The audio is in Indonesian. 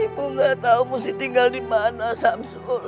ibu gak tahu mesti tinggal di mana samsul